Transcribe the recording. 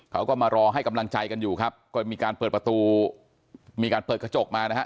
เขาก็มารอให้กำลังใจกันอยู่ครับก็มีการเปิดประตูมีการเปิดกระจกมานะฮะ